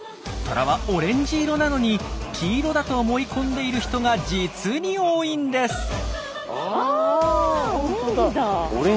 トラはオレンジ色なのに黄色だと思い込んでいる人が実に多いんです！